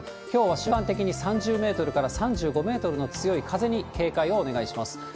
きょうは瞬間的に３０メートルから３５メートルの強い風に警戒をお願いします。